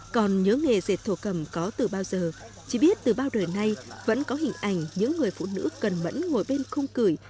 còn nhớ nghề dệt thổ cầm có từ bao giờ chỉ biết từ bao đời nay vẫn có hình ảnh những người phụ nữ cần mẫn ngồi bên khung cười